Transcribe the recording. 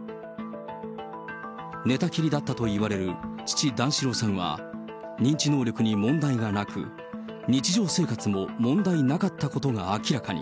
寝たきりだったといわれる父、段四郎さんは認知能力に問題はなく、日常生活も問題なかったことが明らかに。